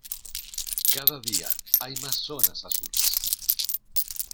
Cada día hay más zonas azules.